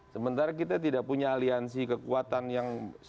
sementara kita tidak punya aliansi kekuatan yang